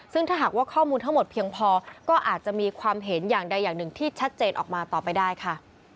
ซึ่งถ้าหากว่าข้อมูลทั้งหมดเพียงพอก็อาจจะมีความเห็นอย่างใดอย่างหนึ่งที่ชัดเจนออกมาต่อไปได้ค่ะ